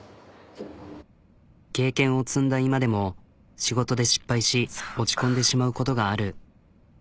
経験を積んだ今でも仕事で失敗し落ち込んでしまうことがある。